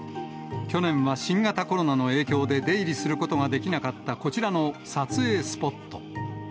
去年は新型コロナの影響で出入りすることができなかった、こちらの撮影スポット。